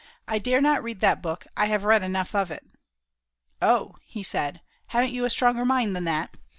I dare not read that book. I have read enough of it." "Oh," he said, "haven't you a stronger mind than that?